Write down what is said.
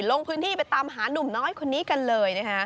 ลงพื้นที่ไปตามหานุ่มน้อยคนนี้กันเลยนะคะ